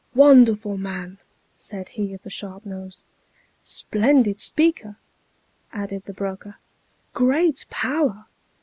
" Wonderful man !" said he of the sharp nose. " Splendid speaker !" added the broker. " Great power